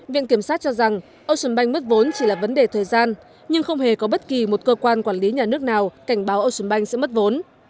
viện kiểm sát cho rằng ocean bank mất vốn chỉ là vấn đề thời gian nhưng không hề có bất kỳ một cơ quan quản lý nhà nước nào cảnh báo ocean bank sẽ mất vốn